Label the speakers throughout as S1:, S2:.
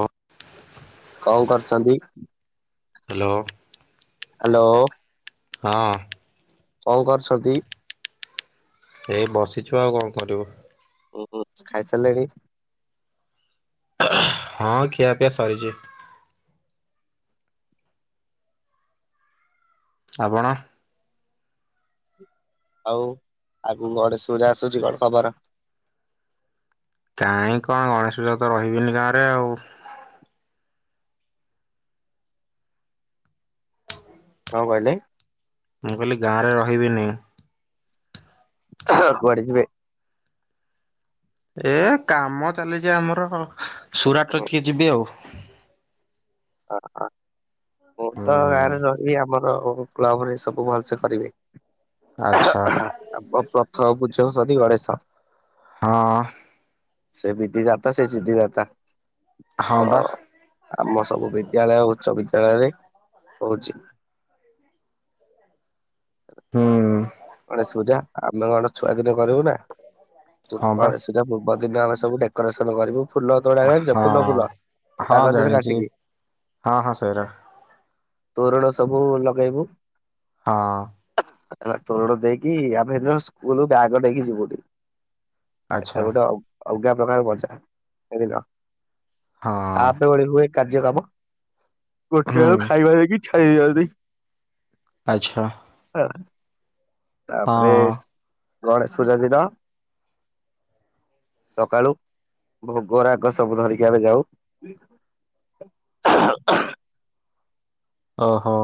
S1: ଓ
S2: Sandeep
S1: hello.
S2: Hello.
S1: ହଁ।
S2: କଁ କରୁଛନ୍ତି?
S1: ଏଇ ବସିଛୁ ଆଉ କଁ କରିବୁ।
S2: ଉଁ ହୁଁ ଖାଇସାରିଲେଣି?
S1: ହଁ ଖିଆ ପିଆ ସାରିଚି। ଆପଣ?
S2: ଆଉ ଆଗକୁ ଗଣେଶ ପୂଜା ଆସୁଚି କଣ ଖବର?
S1: କାଇଁ କଣ ଗଣେଶ ପୂଜାକୁତ ରହିବିନି ଗାଁରେ ଆଉ।
S2: କଁ କହିଲେ?
S1: ମୁଁ କହିଲି ଗାଁରେ ରହିବିନି।
S2: ହଁ କୁଆଡ଼େ ଯିବେ?
S1: ଏ କାମ ଚାଲିଚି ଆମର ସୁରାଟ କିଏ ଯିବି ଆଉ।
S2: ମୁଁ ତ
S1: ହୁଁ।
S2: ଗାଁରେ ରହିବି ଆମର କ୍ଲବରେ ସବୁ ଭଲସେ କରିବେ।
S1: ଆଚ୍ଛା।
S2: ଆମ ପ୍ରଥମ ପୂଜ ସରି [unintelligible] ଗଣେଶ।
S1: ହଁ।
S2: ସେ ବିିଧି ଦାତା ସେ ସିଦ୍ଧି ଦାତା।
S1: ହଁ ପା।
S2: ଆମ ସବୁ ବିଦ୍ୟାଳୟ ଉଚ୍ଚ ବିଦ୍ୟାଳୟରେ ହଉଚି।
S1: ହୁଁ
S2: ଗଣେଶ ପୂଜା ଆମେ କଣ ଛୁଆଦିନ କରିବୁନା
S1: ହଁ ବା
S2: ଗଣେଶ ପୂଜା ପୂବଦିନ ଆମେ ସବୁ ଡକୋରେସନ୍ କରିବୁ ଫୁଲ ଚୋଡ଼ା ଜାଣିଚ ଫୁଲ
S1: ହଁ।
S2: ଫୁଲ
S1: ହଁ
S2: କାଗଜରେ
S1: ଜାଣିଛି
S2: କାଟିକି
S1: ହଁ ହଁ ସେଇରା
S2: ତୋରଣ ସବୁ ଲଗେଇବୁ
S1: ହଁ।
S2: ହେଲା ତୋରଣ ଦେଇକି ଆମେ ସେଦିନ ସ୍କୁଲ୍ ବ୍ୟାଗ୍ ନେଇକି ଯିବୁନି
S1: ଆଚ୍ଛା
S2: ଏଟା ଗୋଟେ ଅ ଅଲଗା ପ୍ରକାର ମଜା ଜାଣିଲ।
S1: ହଁ
S2: ହାପରେ ଗଳି ହୁଏ କାର୍ଯ୍ୟ କାମ ଗୋଟେ ବେଳୁ
S1: ହୁଁ।
S2: ଖାଇବା ଦେଇକି ଛାଡ଼ି ଦିଇନ୍ତି।
S1: ଆଚ୍ଛା। ହଁ
S2: ହେଲାତାପରେ ଗଣେଶ ପୂଜା ଦିନ ସକାଳୁ ଭୋଗ ରାଗ ସବୁ ଧରିକି ଆମେ ଯାଉ। ହ ହ
S1: ଓହୋ।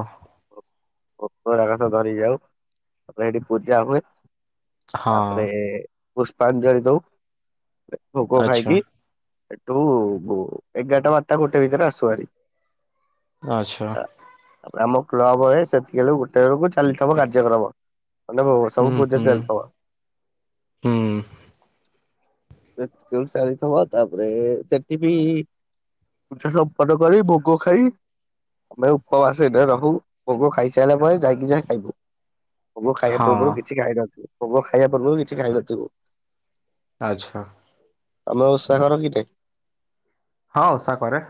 S2: ଭୋଗ ରାଗ ସବୁ ଧରି ଯାଉ ତାପରେ ସେଠି ପୂଜା ହୁଏ।
S1: ହଁ
S2: ତାପରେ ପୁଷ୍ପାଞ୍ଜଳି ଦୋଉ ହେଠୁ ଭୋକ
S1: ଆଚ୍ଛା
S2: ଖାଇକି ଏଠୁ ଏଗାରଟା ବାରଟା ଗୋଟେ ଭିତରେ ଆସୁ ଭାରି।
S1: ଆଚ୍ଛା।
S2: ତାପରେ ଆମ କ୍ଲବ ରେ ସେତିବେଳୁ ଗୋଟେ ବେଳକୁ ଚାଲିଥିବ କାର୍ଯ୍ୟକ୍ରମ। ମାନେ ଭୋଗ ସବୁ
S1: ହୁଁ ହୁଁ
S2: ପୂଜା ଚାଲିଥିବ।
S1: ହୁଁ
S2: ସେତିକି ବେଳୁ ଚାଲିଥିବ ତାପରେ ସେଠି ବି ପୂଜା ସମ୍ପନ୍ନ କରି ଭୋଗ ଖାଇ ଆମେ ଉପବାସ ଏନେ ରହୁ। ଭୋଗ ଖାଇସାରିଲା ପରେ ଯାଇକି ଯାହା ଖାଇବୁ। ଭୋଗ ଖାଇବା
S1: ହଁ
S2: ପୂର୍ବରୁ କିଛି ଖାଇନଥିବୁ। ଭୋଗ ଖାଇବା ପୂର୍ବରୁ କିଛି ଖାଇନଥିବୁ।
S1: ଆଚ୍ଛା।
S2: ତମେ ଓଷାକର କି ନାଇଁ?
S1: ହଁଓଷା କରେ।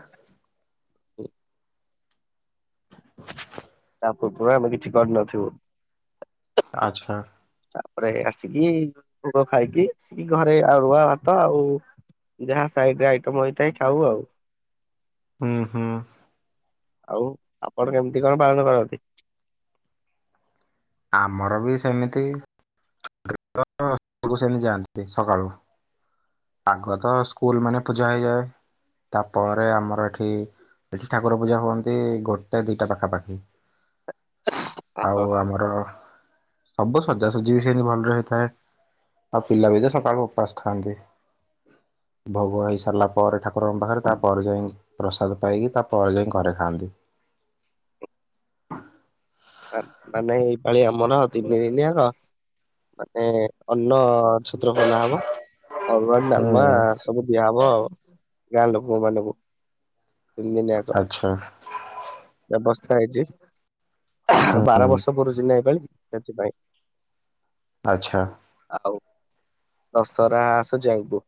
S2: ତା ପୂର୍ବରୁ ଆମେ କିଛି କରିନଥିବୁ।
S1: ଆଚ୍ଛା।
S2: ତାପରେ ଆସିକି ଭୋଗ ଖାଇକି ଆସିକି ଘରେ ଆରୁଆ ଭାତ ଆଉ ଯାହା ସାଇଡ ରେ ଆଇଟମ ହେଇଥାଏ ଖାଉ ଆଉ
S1: ହୁଁ ହୁଁ।
S2: ଆଉ ଆପଣ କେମିତି କଣ ପାଳନ କରନ୍ତି?
S1: ଆମର ବି ସେମିତି ସେମିତି ଯାଆନ୍ତି ସକାଳୁ। ଆଗ ତ ସ୍କୁଲ ମାନେ ପୂଜା ହେଇଯାଏ। ତାପରେ ଆମର ଏଠି ଏଠି ଠାକୁର ପୂଜା ହୁଅନ୍ତି ଗୋଟେ ଦିଟା ପାଖାପାଖି। ଆଉ
S2: ଅହ
S1: ଆମର ସବୁ ସଜାସଜି ବି ସେ ଭଲରେ ହେଇଥାଏ। ଆଉ ପିଲା ବି ତ ସକାଳୁ ଉପାସ ଥାନ୍ତି ଭୋଗ ହେଇସାରିଲା ପରେ ଠାକୁରଙ୍କ ପାଖରେ ତାପରେ ଯାଇଁ ପ୍ରସାଦ ପାଇକି ତାପରେ ଯାଇ ଘରେ ଖାଆନ୍ତି।
S2: ମାନେ ଏଇପାଳି ଆମର ଅଧିକ ହେଇନି ଆଗ। ମାନେ ଅନ୍ନ ଛତ୍ର ଖୋଲା ହବ। ଅରୁଆ ଡାଲମା
S1: ହୁଁ
S2: ସବୁ ଦିଆହବ ଗାଁ ଲୋକ ମାନଙ୍କୁ। ତିନି ଦିନିଆକ
S1: ଆଚ୍ଛା
S2: ବ୍ୟବସ୍ଥା ହେଇଚି।
S1: ହୁଁ
S2: ବାର ବର୍ଷ ପଡୁଚି ନା ଏ ପାଳି ସେଥିପାଇଁ।
S1: ଆଛା।
S2: ଆଉ ଦଶହରା ଆସୁଚି ଆଗକୁ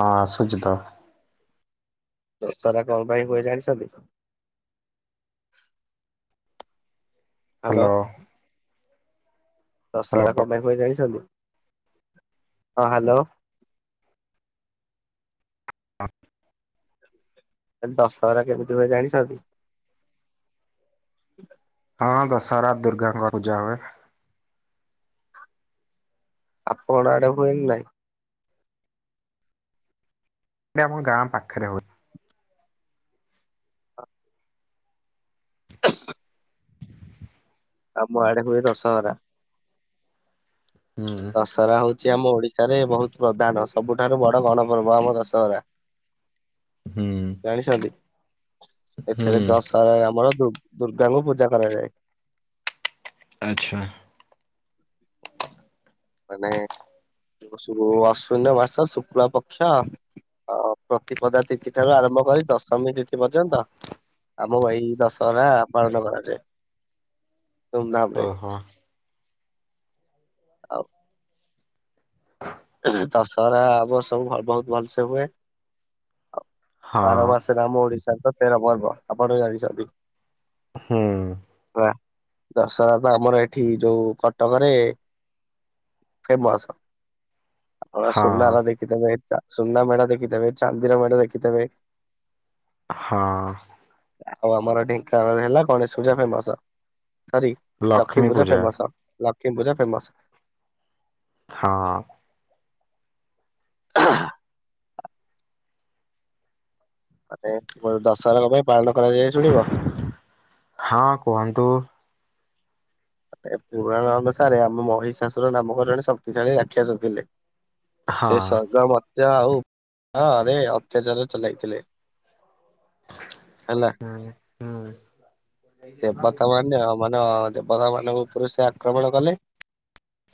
S1: ହଁ ଆସୁଚିତ।
S2: ଦଶହରା କଣ ପାଇଁ ହୁଏ ଜାଣିଛନ୍ତି? Hello
S1: hello.
S2: ଦଶହରା କଣ ପାଇଁ ହୁଏ ଜାଣିଛନ୍ତି? ହଁ ହାଲୋ।
S1: [inaudible]
S2: ଦଶହରା କେମିତି ହୁଏ ଜାଣିଛନ୍ତି?
S1: ହଁ ଦଶହରା ଦୁର୍ଗାଙ୍କ ପୂଜା ହୁଏ।
S2: କଣ ଆଡେ ହୁଏନ ନାହିଁ।
S1: ଏ ଆମ ଗାଁ ପାଖରେ ହୁଏ।
S2: ଆମ ଆଡ଼େ ହୁଏ ଦଶହରା।
S1: ହୁଁ
S2: ଶରା ହଉଛି ଆମ ଓଡ଼ିଶାରେ ବହୁତ ପ୍ରଧାନ। ସବୁଠାରୁ ବଡ଼ ବଡ଼ ପର୍ବ ଆମ ଦଶହରା। [inaudible]
S1: ହୁଁ
S2: ଜାଣିଛନ୍ତି ଏଥିରେ
S1: ହୁଁ
S2: ଦଶହରା ଆମର ଦୁ -ଦୁର୍ଗାଙ୍କୁ ପୂଜା କରାଯାଏ।
S1: ଆଚ୍ଛା
S2: ମାନେ ସବୁ ଅଶ୍ୱିନ ମାସ ଶୁକ୍ଳ ପକ୍ଷ ହଉ ପ୍ରତିପଦା ତିଥି ଠାରୁ ଆରମ୍ଭ କରି ଦଶମୀ ତିଥି ପର୍ଯ୍ୟନ୍ତ ଆମ ଏଇ ଦଶହରା ପାଳନ କରାଯାଏ। ଧୁମଧାମ ରେ।
S1: ଓହୋ
S2: ହଉ ଦଶହରା ଆମ ସବୁ ବହୁତ ଭଲସେ ହୁଏ।
S1: ହଁ
S2: ବାର ମାସରେ ଆମ ଓଡ଼ିଶାରେ ତ ତେରପର୍ବ ଆପଣ ଜାଣିଛନ୍ତି।
S1: ହୁଁ।
S2: ହ ଦଶହରା ତ ଆମର ଏଠି ଯୋଉ କଟକରେ ଫେମସ। ଆପଣ
S1: ହଁ
S2: ସୁନାର ଦେଖିଥେବେ ଚା ସୁନା ମେଢ଼ ଦେଖିଥେବେ, ଚାନ୍ଦିର ମେଢ଼ ଦେଖିଥେବେ।
S1: ହଁ
S2: ଆଉ ଆମର ଢେଙ୍କାନାଳରେ ହେଲା Ganesh Puja famous sorry Lakshmi Puja famous. Lakshmi Puja famous.
S1: ହଁ
S2: ଆ ହା ହା। ମାନେ ତୁମର ଦଶହରା ପାଇଁ ପାଳନ କରାଯାଏ ଶୁଣିବ
S1: ହଁ କୁହନ୍ତୁ।
S2: ଏ ପୁରାଣ ଅନୁସାରେ ଆମ ମହିଷାସୁର ନାମକ ଜଣେ ଶକ୍ତିଶାଳୀ ରାକ୍ଷସ ଥିଲେ। ସେ
S1: ହଁ।
S2: ସ୍ବର୍ଗ ମ ଯା ଆଉ ହରେ ଅତ୍ୟାଚାର ଚଲେଇଥିଲେ ହେଲା।
S1: ହୁଁ ହୁଁ
S2: ଦେବତା ମାନେ, ମାନେ ଦେବତା ମାନଙ୍କ ଉପରୁ ସେ ଆକ୍ରମଣ କଲେ।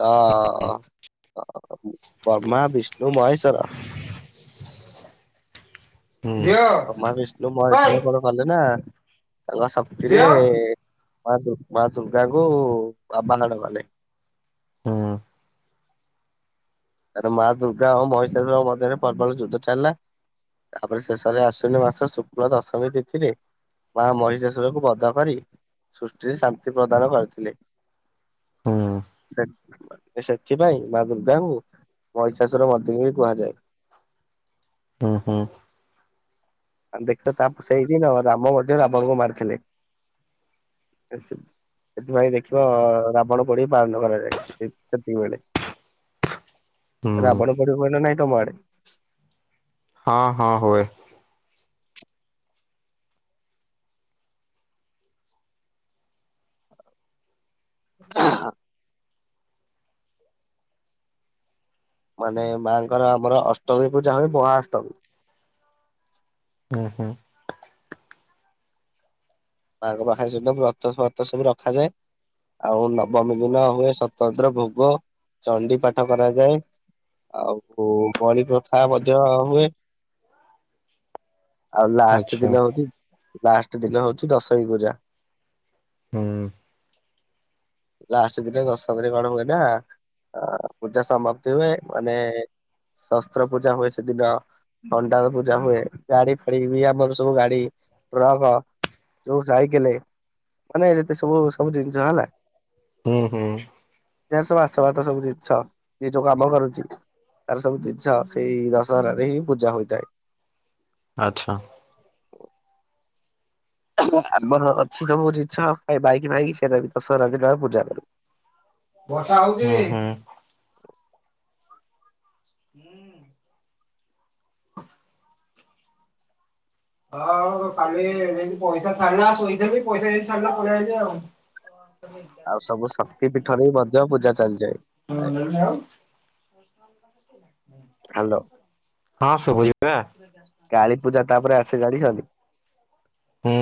S2: ତ ଅ ବ୍ରହ୍ମା, ବିଷ୍ଣୁ, ମହେଶ୍ୱର
S1: ହୁଁ ଝିଅ
S2: ବ୍ରହ୍ମା ବିଷ୍ଣୁ
S1: ଓଇ
S2: ମହେଶ୍ଵର କଣ କଲେ ନା ତାଙ୍କ ଶକ୍ତିରେ
S1: ଝିଅ।
S2: ମା ଦୁର ମା ଦୁର୍ଗାଙ୍କୁ ଆବାହନ କଲେ।
S1: ହୁଁ
S2: ତା ର ମା ଦୁର୍ଗା ଆଉ ମହିଷାସୁର ମଧ୍ୟରେ ପ୍ରବଳ ଯୁଦ୍ଧ ଚାଲିଲା। ତାପରେ ଶେଷରେ ଆଶ୍ୱିନ ମାସ ଶୁକ୍ଳ ଦଶମୀ ତିଥିରେ ମା ମହିଷାସୁରକୁ ବଧ କରି ସୃଷ୍ଟିରେ ଶାନ୍ତି ପ୍ରଦାନ କରିଥିଲେ।
S1: ହୁଁ
S2: ସେ-ସେଥିପାଇଁ ମା ଦୁର୍ଗାଙ୍କୁ ମହିଷାସୁର ମର୍ଦ୍ଦିନୀ ବି କୁହାଯାଏ।
S1: ହୁଁ ହୁଁ।
S2: ଦେଖିବ ତା ସେଇଦିନ ରାମ ମଧ୍ୟ ରାବଣଙ୍କୁ ମାରିଥିଲେ। ସେଥିପାଇଁ ଦେଖିବ- ଅ -ଅ ରାବଣ ପୋଡି ପାଳନ କରାଯାଏ ସେ ସେତିକି ବେଳେ।
S1: ହୁଁ
S2: ରାବଣ ପୋଡ଼ି ହୁଏ ନା ନାଇଁ ତମ ଆଡ଼େ।
S1: ହଁ ହଁ ହୁଏ।
S2: ଆଚ୍ଛା ମାନେ ମାଙ୍କର ଆମର ଅଷ୍ଟମୀ ପୂଜା ହୁଏ ମହାଷ୍ଟମୀ।
S1: ହୁଁ ହୁଁ।
S2: ମାଙ୍କ ପାଖରେ ସେ ଦିନ ବ୍ରତ ଫ୍ରତ ସବୁ ରଖାଯାଏ ଆଉ ନବମୀ ଦିନ ହୁଏ ସ୍ୱତନ୍ତ୍ର ଭୋଗ ଚଣ୍ଡି ପାଠ କରାଯାଏ ଆଉ ବଳିପ୍ରଥା ମଧ୍ୟ ହୁଏ। ଆଉ ଲାଷ୍ଟ
S1: ଆଚ୍ଛା
S2: ଦିନ ହଉଚି ଲାଷ୍ଟ ଦିନ ହଉଛି ଦଶମୀ ପୂଜା।
S1: ହୁଁ।
S2: ଲାଷ୍ଟ ଦିନ ଦଶମୀରେ କଣ ହୁଏ ନା ଅ ପୂଜା ସମାପ୍ତି ହୁଏ ମାନେ ଶସ୍ତ୍ର ପୂଜା ହୁଏ ସେଦିନ ହଣ୍ଡାର ପୂଜା ହୁଏ ଗାଡି ଫାଡି ବି ଆମର ସବୁ ଗାଡି ଟ୍ରକ ଯୋଉ ସାଇକେଲେ ମାନେ ଯେତେ ସବୁ ସବୁ ଜିନିଷ ହେଲା
S1: ହୁଁ ହୁଁ।
S2: ଏ ସବୁ ଆଶବା ସବୁ ଜିନିଷ ଯିଏ ଯୋଉ କାମ କରୁଛି ତାର ସବୁ ଜିନିଷ ସେଇ ଦଶହରାରେ ହିଁ ପୂଜା ହୋଇଥାଏ।
S1: ଆଚ୍ଛା।
S2: ଆମର ଅଛି ସବୁ ଜିନଷ ବାଇକି ଫାଇକି ସେଟା ବି ଦଶହର ଦିନ ଆମେ ପୂଜା କରୁ।
S1: ହୁଁ ହୁଁ। ହୁଁ ହଁ କାଲି ଏନ୍ତି ପଇସା ଛାଡିଲା ଶୋଇିଥିଲି ପଇସା ଯେମିତି ଛାଡିଲା ପଳେଇ ଆଇଲି ଆଉ ହ ସେ [inaudible]
S2: ଆଉ ସବୁ ଶକ୍ତି ପୀଠରେ ହି ମଧ୍ୟ ପୂଜା ଚାଲିଯାଏ।
S1: ହୁଁ [inaudible]
S2: ହାଲୋ।
S1: ହଁ ଶୁଭୁଚି ବା।
S2: କାଳୀପୂଜା ତାପରେ ଆସେ ଜାଣିଛନ୍ତି?
S1: ହୁଁ।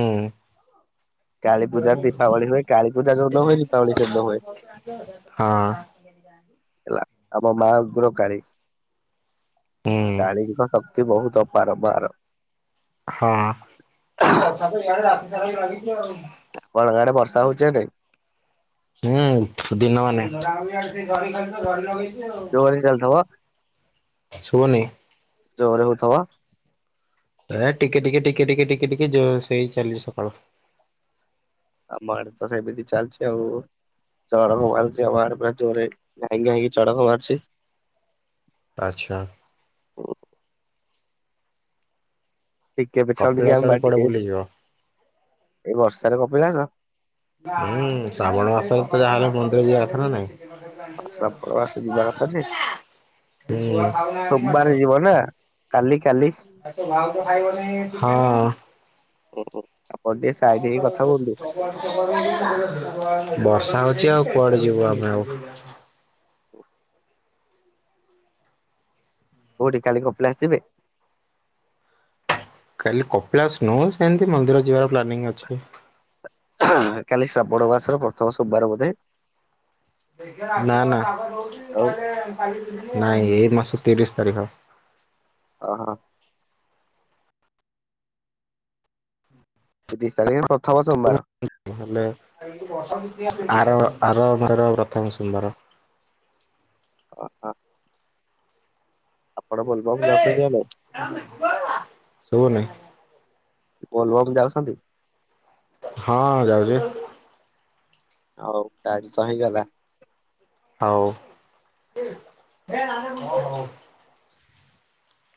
S2: କାଳୀ ପୂଜା ଦୀପାବଳି ହୁଏ କାଳୀ ପୂଜା ଯୋଉଦିନ ହୁଏ
S1: ହଁ।
S2: ଦୀପାବଳି ସେଦିନ ହୁଏ
S1: କେଜାଣି
S2: ହେଲା ଆମ ମା ଉଗ୍ର କାଳୀ
S1: ହୁଁ
S2: କାଳୀଙ୍କ ଶକ୍ତି ବହୁତ। ବାରମ୍ବାର
S1: ହଁ।
S2: କଣ ଇଆଡ଼େ ବର୍ଷା ହଉଛି ଏବେ?
S1: ହୁଁ ଦିନ ମାନେ
S2: ଯୋରେ ସେ ଚାଲିଥିବ?
S1: ଶୁଭୁନି?
S2: ଜୋରେ ହଉଥିବ?
S1: ଏଁ ଟିକେ ଟିକେ ଟିକେ ଟିକେ ଟିକେ ଟିକେ ଜୋର ସେଇ ଚାଲିଚି ସକାଳୁ।
S2: ଆମ ଆଡେ ତ ସେମିତି ଚାଲଚି ଆଉ। ଚଢକ ମାରୁଛି ଆମ ଆଡେ ପୁରା ଜୋର ଘାଇଁ ଘାାଇଁ କି ଚଢକ ମାରୁଛି।
S1: ଆଚ୍ଛା।
S2: ଟିକେ ବି ଛାଡୁନି କି
S1: କପିଳାସ
S2: ଆମ
S1: ଆଡେ
S2: ବା
S1: କୁଆଡେ
S2: ଟିକେ,
S1: ବୁଲିଯିବ?
S2: ଏଇ ବର୍ଷାରେ କପିଳାସ?
S1: ହୁଁ ଶ୍ରାବଣ ମାସରେ ତ ଯାହାହଲେ ମନ୍ଦିର ଯିବା କଥା ନା ନାଇଁ?
S2: ଶ୍ରାବଣ ମାସ ଯିବା କଥା ଯେ
S1: [inaudible] ହୁଁ। ଛୁଆ ଖାଉନାହାନ୍ତି
S2: ସୋମବାର
S1: ଭାତ।
S2: ଯିବ ନା କାଲି କାଲି
S1: ହଁ।
S2: ଆପଣ ଟିକେ ସାଇଟ୍ ହେଇକି କଥା ହୁଅନ୍ତୁ।
S1: ବର୍ଷା ହଉଛି ଆଉ କୁଆଡେ ଯିବୁ ଆମେ ଆଉ?
S2: କୋଉଠି କାଲି କପିଳାସ ଯିବେ?
S1: କାଲି କପିଳାସ ନୁହଁ ସେମିତି ମନ୍ଦିର ଯିବାର ପ୍ଲାନିଂ ଅଛି।
S2: ଛା କାଲି ଶ୍ରାବଣ ମାସର ପ୍ରଥମ ସୋମବାର ବୋଧେ?
S1: ନା ନା
S2: ଆଉ
S1: ନାଇଁ ଏଇ ମାସ ତିରିଶ ତାରିଖ।
S2: ଓହୋ। ତିରିଶ ତାରିଖ ପ୍ର
S1: ଲେ ଆର ଆର ମାସର ପ୍ରଥମ ସୋମବାର।
S2: ଓହୋ। ଆପଣ ବୋଲ୍ ବମ୍ ଯାଉଛନ୍ତି ନ ନାହିଁ?
S1: ଶୁଭୁନି।
S2: ବୋଲବମ୍ ଯାଉଛନ୍ତି?
S1: ହଁ ଯାଉଛି।
S2: ଆଉ ଟାଇମ୍ ତ ହେଇଗଲା।
S1: ହଉ